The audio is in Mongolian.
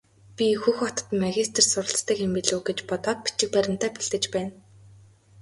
Би Хөх хотод магистрт суралцдаг юм билүү гэж бодоод бичиг баримтаа бэлдэж байна.